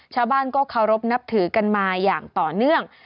ชาวบ้านก็เคารพนับถือกันมาอย่างต่อเนื่อง